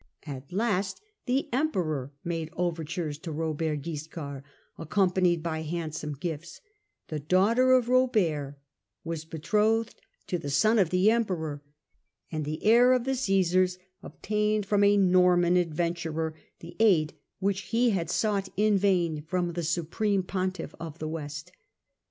At last the the project emperor made overtures to Robert Wiscard, accompanied by handsome gifts ; the daughter of Robert was betrothed to the son of the emperor, and the heir of the Caesars obtained from a Norman adventurer the aid which he had sought in vain from the supreme pon tiff of the West.